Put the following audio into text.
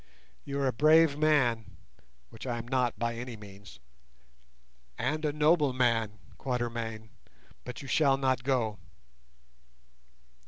You are a brave man (which I am not by any means) and a noble man, Quatermain, but you shall not go."